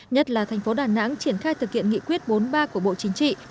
nhất là thành phố đà nẵng triển khai thực hiện nghị quyết bốn mươi ba của bộ chính trị